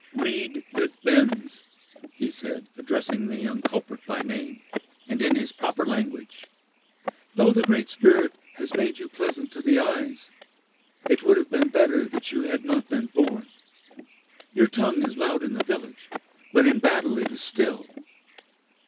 "Reed that bends," he said, addressing the young culprit by name, and in his proper language, "though the Great Spirit has made you pleasant to the eyes, it would have been better that you had not been born. Your tongue is loud in the village, but in battle it is still.